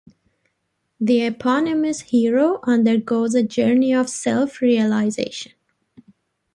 The eponymous hero undergoes a journey of self-realization.